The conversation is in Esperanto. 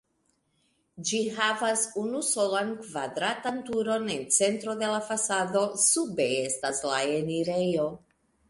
Ĝi havas unusolan kvadratan turon en centro de la fasado, sube estas la enirejo.